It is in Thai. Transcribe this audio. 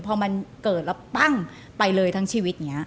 พอมันเกิดแล้วปั้งไปเลยทั้งชีวิต